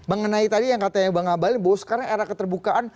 mengenai tadi yang katanya bang abalin bahwa sekarang era keterbukaan